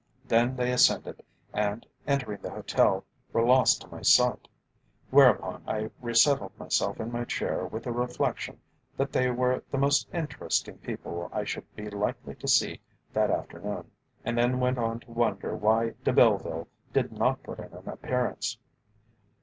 Then they ascended, and, entering the hotel, were lost to my sight; whereupon I resettled myself in my chair with the reflection that they were the most interesting people I should be likely to see that afternoon, and then went on to wonder why De Belleville did not put in an appearance.